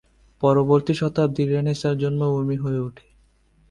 পরবর্তী শতাব্দী রেনেসাঁর জন্মভূমি হয়ে উঠে।